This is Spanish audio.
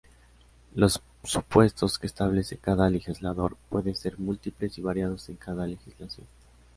Los supuestos que establece cada legislador pueden ser múltiples y variados en cada legislación.